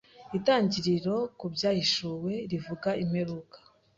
Itangiriro ku Byahishuwe rivuga imperuka